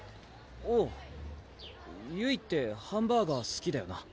おうゆいってハンバーガーすきだよな